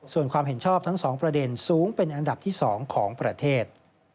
ส่วนความเห็นชอบทั้ง๒ประเด็นสูงเป็นอันดับที่๒ของประเทศ